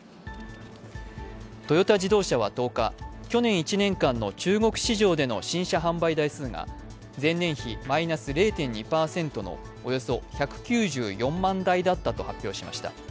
トヨタ自動車は１０日、去年１年間の中国市場での新車販売台数が前年比マイナス０．２％のおよそ１９４万台だったと発表しました。